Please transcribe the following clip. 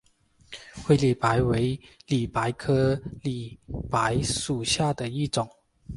灰里白为里白科里白属下的一个种。